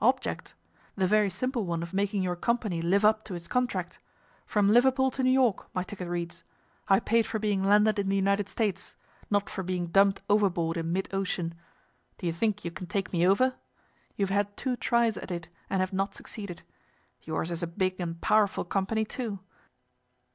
"Object? The very simple one of making your company live up to its contract. From Liverpool to New York, my ticket reads. I paid for being landed in the United States, not for being dumped overboard in mid ocean. Do you think you can take me over? You have had two tries at it and have not succeeded. Yours is a big and powerful company too."